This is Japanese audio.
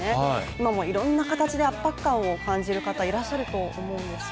今もいろんな形で圧迫感を感じる方、いらっしゃると思うんです。